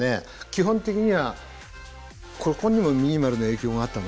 基本的にはここにもミニマルの影響があったのかな。